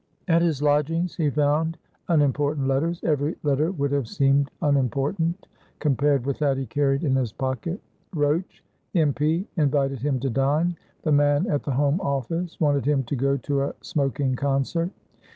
At his lodgings he found unimportant letters. Every letter would have seemed unimportant, compared with that he carried in his pocket. Roach, M. P., invited him to dine. The man at the Home Office wanted him to go to a smoking concert.